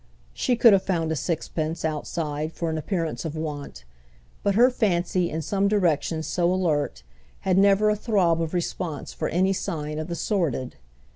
She could have found a sixpence, outside, for an appearance of want; but her fancy, in some directions so alert, had never a throb of response for any sign of the sordid.